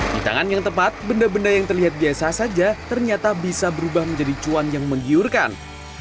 di tangan yang tepat benda benda yang terlihat biasa saja ternyata bisa berubah menjadi cuan yang menggiurkan